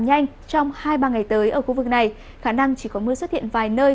nhanh trong hai ba ngày tới ở khu vực này khả năng chỉ có mưa xuất hiện vài nơi